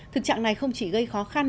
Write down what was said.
thực trạng này không chỉ gây khó khăn